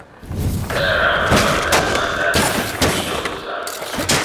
gharama za watalii wa ndani ni ndogo sana